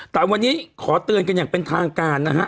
แต่วันนี้ขอเตือนกันอย่างเป็นทางการนะฮะ